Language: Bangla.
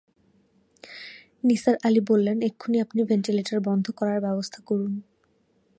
নিসার আলি বললেন, এক্ষুণি আপনি ভেন্টিলেটার বন্ধ করার ব্যবস্থা করুন।